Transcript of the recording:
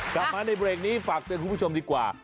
กลับมาในเบรกนี้ฝากเตือนคุณผู้ชมดีกว่า